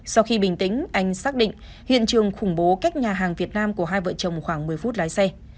sau khi bình tĩnh anh xác định hiện trường khủng bố cách nhà hàng việt nam của hai vợ chồng khoảng một mươi phút lái xe